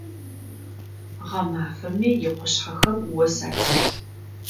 Гъэмафэми икъушъхьэхэм ос ателъ.